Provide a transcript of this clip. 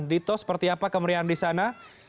dito seperti apa kemeriahan di sana